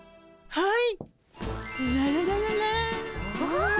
はい。